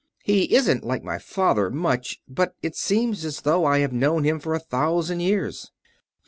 He isn't like my father, much, but it seems as though I have known him for a thousand years!"